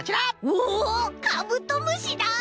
おおカブトムシだ！